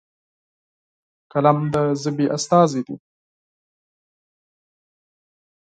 قلم د ژبې استازی دی.